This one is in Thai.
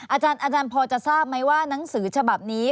อาจารย์พอจะทราบไหมว่าหนังสือฉบับนี้